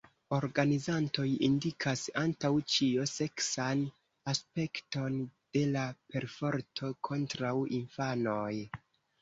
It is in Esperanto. Organizantoj indikas antaŭ ĉio seksan aspekton de la perforto kontraŭ infanoj.